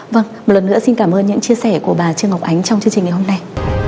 vâng một lần nữa xin cảm ơn những chia sẻ của bà trương ngọc ánh trong chương trình ngày hôm nay